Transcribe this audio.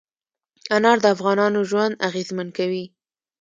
انار د افغانانو ژوند اغېزمن کوي.